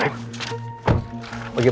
yang menghargain lo